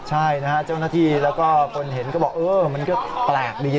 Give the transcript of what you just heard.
ใช่นะฮะเจ้าหน้าที่แล้วก็คนเห็นก็บอกเออมันก็แปลกดี